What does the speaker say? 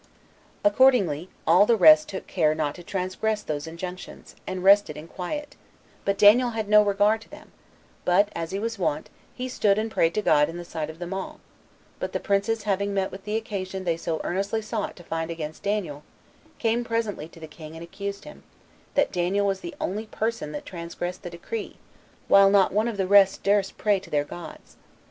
Accordingly, all the rest took care not to transgress those injunctions, and rested in quiet; but Daniel had no regard to them, but, as he was wont, he stood and prayed to God in the sight of them all; but the princes having met with the occasion they so earnestly sought to find against Daniel, came presently to the king, and accused him, that Daniel was the only person that transgressed the decree, while not one of the rest durst pray to their gods.